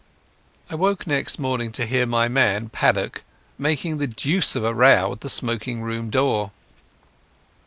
I woke next morning to hear my man, Paddock, making the deuce of a row at the smoking room door.